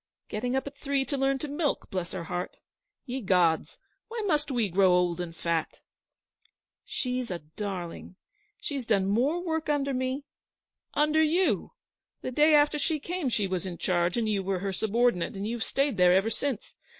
'Getting up at three to learn to milk, bless her heart! Ye gods, why must we grow old and fat?' 'She's a darling. She has done more work under me ' 'Under you! The day after she came she was in charge and you were her subordinate, and you've stayed there ever since.